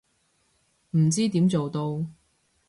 唔知點做到